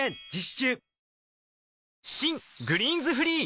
中新「グリーンズフリー」